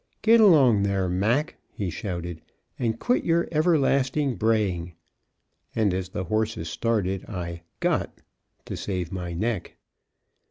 "Get along, there, Mac," he shouted, "and quit your everlasting braying;" and as the horses started, I "got," to save my neck.